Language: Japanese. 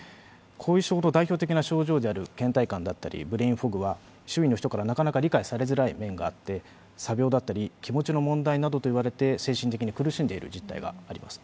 後遺症の代表的な症状であるけん怠感だったりブレインフォグは、周囲の人からなかなか理解されづらい面があって詐病だったり気持ちの問題などと言われて精神的に苦しんでいる実態があります。